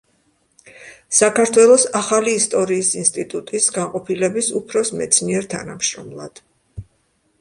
საქართველოს ახალი ისტორიის ინსტიტუტის განყოფილების უფროს მეცნიერ თანამშრომლად.